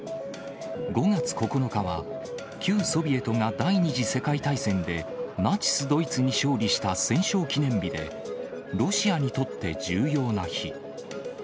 ５月９日は旧ソビエトが第２次世界大戦でナチス・ドイツに勝利した戦勝記念日で、ロシアにとって重要な日。